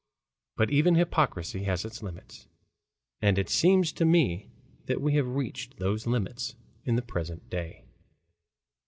But even hypocrisy has its limits. And it seems to me that we have reached those limits in the present day.